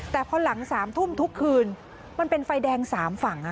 แต่พอหลัง๓ทุ่มทุกคืนมันเป็นไฟแดง๓ฝั่ง